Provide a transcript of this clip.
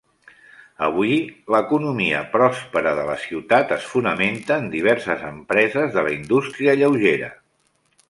Avui, l'economia pròspera de la ciutat es fonamenta en diverses empreses de la indústria lleugera.